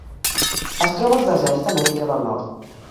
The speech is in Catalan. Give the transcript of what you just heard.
Es troba als deserts d'Amèrica del Nord.